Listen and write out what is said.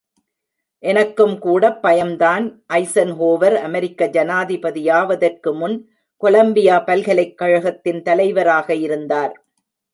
எனக்கும்கூட பயம்தான் ஐஸன்ஹோவர், அமெரிக்க ஜனாதிபதியாவதற்கு முன், கொலம்பியா பல்கலைக் கழகத்தின் தலைவராக இருந்தார்.